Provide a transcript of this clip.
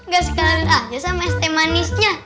gak sekalian aja sama st manisnya